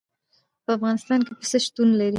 په افغانستان کې پسه شتون لري.